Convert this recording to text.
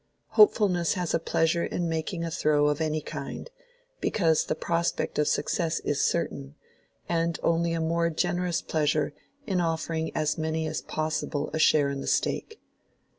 Hopefulness has a pleasure in making a throw of any kind, because the prospect of success is certain; and only a more generous pleasure in offering as many as possible a share in the stake.